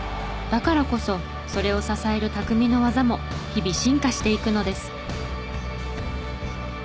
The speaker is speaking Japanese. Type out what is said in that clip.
だからこそそれを支える匠の技も日々進化していくのです。